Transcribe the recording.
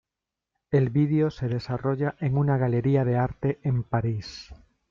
El video se desarrolla en una galería de arte en París.